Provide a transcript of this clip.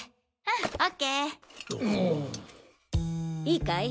いいかい？